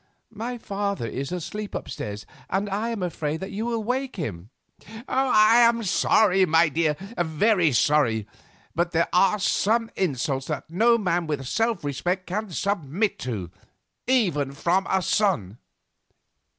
My father is asleep upstairs, and I am afraid that you will wake him." "I am sorry, my dear, very sorry, but there are some insults that no man with self respect can submit to, even from a son."